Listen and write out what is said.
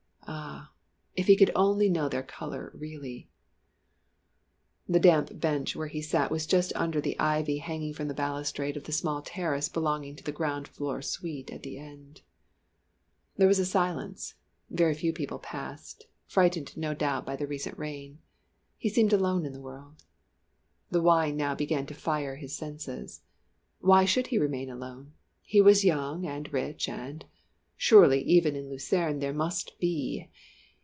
Ah! if he could only know their colour really! The damp bench where he sat was just under the ivy hanging from the balustrade of the small terrace belonging to the ground floor suite at the end. There was a silence, very few people passed, frightened no doubt by the recent rain. He seemed alone in the world. The wine now began to fire his senses. Why should he remain alone? He was young and rich and surely even in Lucerne there must be